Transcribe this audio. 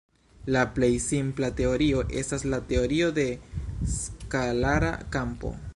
La plej simpla teorio estas la teorio de skalara kampo.